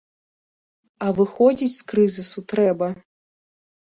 А выходзіць з крызісу трэба.